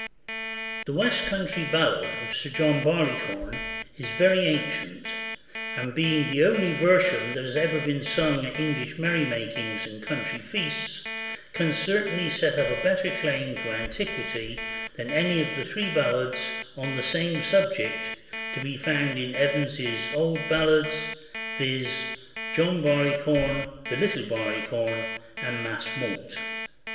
[THE West country ballad of Sir John Barleycorn is very ancient, and being the only version that has ever been sung at English merry makings and country feasts, can certainly set up a better claim to antiquity than any of the three ballads on the same subject to be found in Evans's Old Ballads; viz., John Barleycorn, The Little Barleycorn, and Mas Mault.